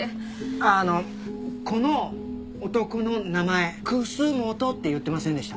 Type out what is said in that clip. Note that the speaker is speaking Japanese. あのこの男の名前「くすもと」って言ってませんでした？